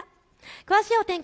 詳しいお天気